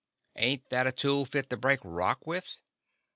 Ain't that a tool fit to break rock with?